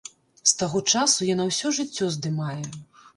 З таго часу яна ўсё жыццё здымае.